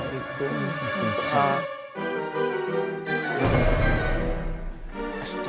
assalamualaikum warahmatullahi wabarakatuh